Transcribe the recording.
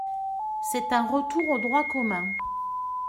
C’est un retour au droit commun.